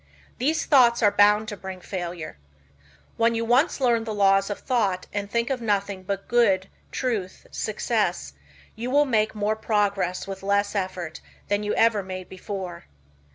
These thoughts are bound to bring failure. When you once learn the laws of thought and think of nothing but Good, Truth, Success, you will make more progress with less effort than you ever made before.